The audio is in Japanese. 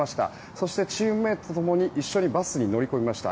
そして、チームメートとともに一緒にバスに乗り込みました。